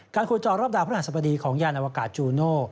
การโครจรรอบด่าพระหัสสมดีของย่านอวกาสจูโน่